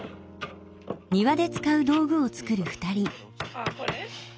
ああこれ？